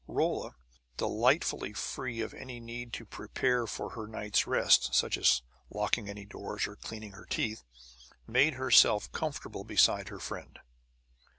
Rolla, delightfully free of any need to prepare for her night's rest such as locking any doors or cleaning her teeth made herself comfortable beside her friend.